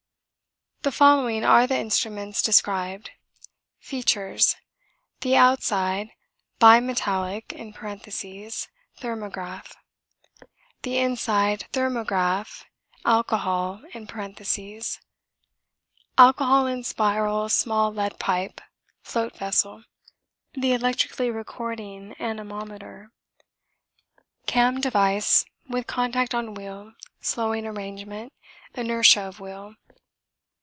The following are the instruments described: Features The outside (bimetallic) thermograph. The inside thermograph (alcohol) Alcohol in spiral, small lead pipe float vessel. The electrically recording anemometer Cam device with contact on wheel; slowing arrangement, inertia of wheel.